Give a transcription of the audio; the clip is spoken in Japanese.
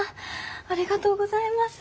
ありがとうございます。